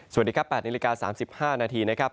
สวัสดีครับ๘นาฬิกา๓๕นาทีนะครับ